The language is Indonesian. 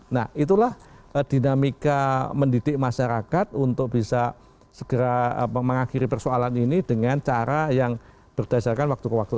nah itulah dinamika mendidik masyarakat untuk bisa segera mengakhiri persoalan ini dengan cara yang berdasarkan waktu ke waktu